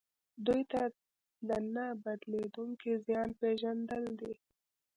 دوی ته د نه بدلیدونکي زیان پېژندل دي.